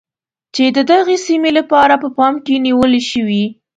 چې د دغې سیمې لپاره په پام کې نیول شوی.